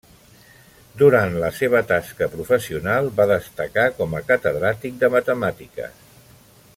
Durant la seva tasca professional va destacar com a catedràtic de matemàtiques.